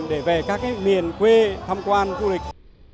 để về các cái miền quê thăm quan du lịch